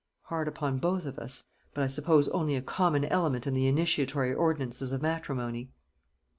Hard upon both of us, but I suppose only a common element in the initiatory ordinances of matrimony."